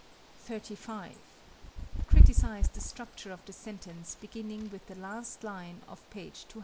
35. Criticise the structure of the sentence beginning with the last line of page 296.